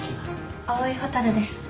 蒼井蛍です。